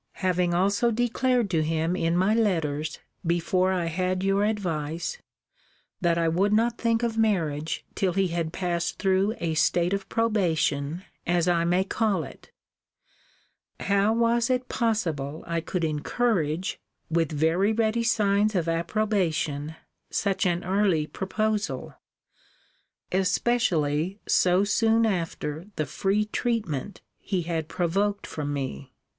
Having also declared to him in my letters, before I had your advice, that I would not think of marriage till he had passed through a state of probation, as I may call it How was it possible I could encourage, with very ready signs of approbation, such an early proposal? especially so soon after the free treatment he had provoked from me.